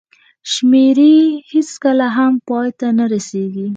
شمېرې هېڅکله هم پای ته نه رسېږي.